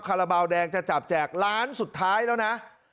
คาราบาลแดงจะจับแจกล้านสุดท้ายแล้วนะ